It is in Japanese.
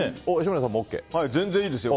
全然いいですよ。